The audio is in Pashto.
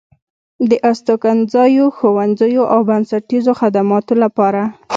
د استوګنځايو، ښوونځيو او د بنسټيزو خدماتو لپاره